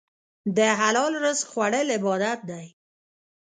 د حلال رزق خوړل عبادت دی.